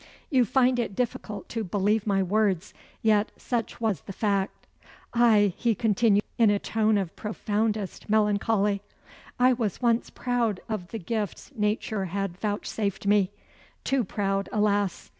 You find it difficult to believe my words yet such was the fact. Ay," he continued, in a tone of profoundest melancholy, "I was once proud of the gifts nature had vouchsafed me; too proud, alas!